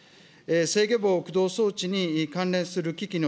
制御棒駆動装置に関連する機器の